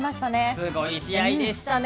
すごい試合でした。